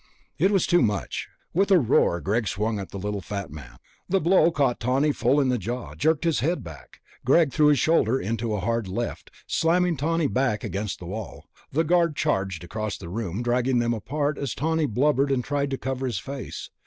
It was too much. With a roar Greg swung at the little fat man. The blow caught Tawney full in the jaw, jerked his head back. Greg threw his shoulder into a hard left, slamming Tawney back against the wall. The guard charged across the room, dragging them apart as Tawney blubbered and tried to cover his face.